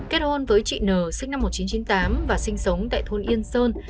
kết hôn với chị n sinh năm một nghìn chín trăm chín mươi tám và sinh sống tại thôn yên sơn